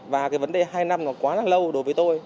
và cái vấn đề hai năm nó quá là lâu đối với tôi